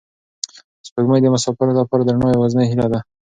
سپوږمۍ د مساپرو لپاره د رڼا یوازینۍ هیله ده.